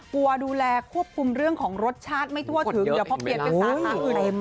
ดูแลควบคุมเรื่องของรสชาติไม่ทั่วถึงเดี๋ยวพอเปลี่ยนเป็นสาขาอื่นเต็ม